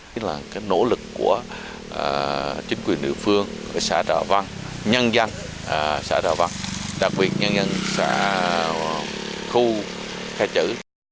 tức là cái nỗ lực của chính quyền địa phương xã trọ văn nhân dân xã trọ văn đặc biệt nhân dân xã khu khe chữ